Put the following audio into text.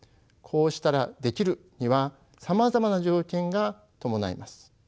「こうしたらできる」にはさまざまな条件が伴います。